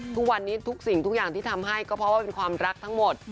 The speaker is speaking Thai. ทุกวันนี้ทุกสิ่งทุกอย่างที่ทำให้ก็เพราะว่าเป็นความรักทั้งหมด